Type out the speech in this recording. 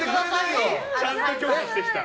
ちゃんと拒否してきた。